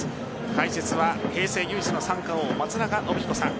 解説は平成唯一の三冠王松中信彦さん